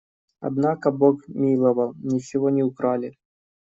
Однако бог миловал – ничего не украли.